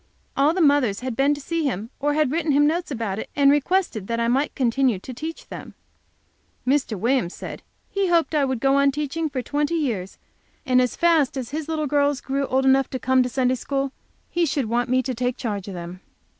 All the mothers had been to see him, or had written him notes about it, and requested that I continue to teach them. Mr. Williams said he hoped I would go on teaching for twenty years, and that as fast as his little girls grew old enough to come to Sunday school he should want me to take charge of them.